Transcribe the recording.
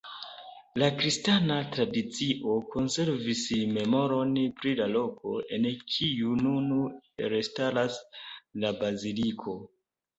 La kristana tradicio konservis memoron pri la loko, en kiu nun elstaras la Baziliko.